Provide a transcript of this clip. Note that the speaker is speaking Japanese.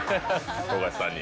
富樫さんに。